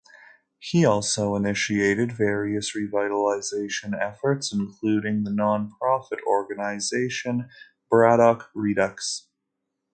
He has also initiated various revitalization efforts, including the nonprofit organization Braddock Redux.